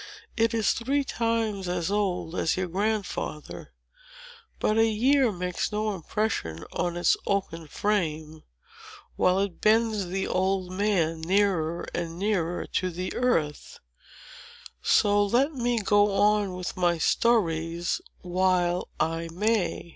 It is three times as old as your Grandfather; but a year makes no impression on its oaken frame, while it bends the old man nearer and nearer to the earth; so let me go on with my stories while I may."